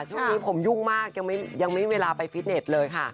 ช่วงนี้ผมยุ่งมากยังไม่มีเวลาไปฟิตเน็ตเลยค่ะ